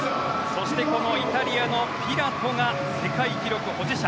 そしてこのイタリアのピラトが世界記録保持者。